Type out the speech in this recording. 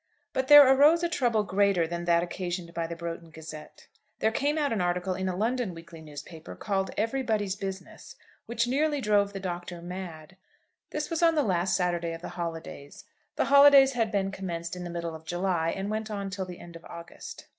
BUT there arose a trouble greater than that occasioned by the 'Broughton Gazette.' There came out an article in a London weekly newspaper, called 'Everybody's Business,' which nearly drove the Doctor mad. This was on the last Saturday of the holidays. The holidays had been commenced in the middle of July, and went on till the end of August.